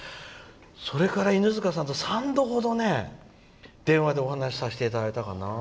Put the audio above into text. それから犬塚さんと、３度程電話でお話させていただいたかな。